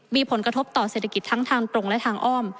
มีผลกระทบต่อเศรษฐกิจทั้งทางตรงและทางอ้อม